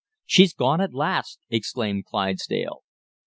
"'She's gone at last!' exclaimed Clydesdale.